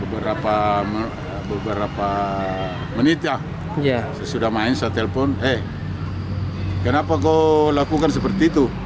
beberapa menit ya saya sudah main saya telpon eh kenapa kau lakukan seperti itu